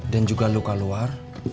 dan juga luka luar